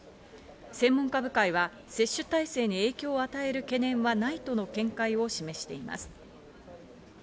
専門家部会は接種体制に影響を与える懸念はないとの見解を示しています。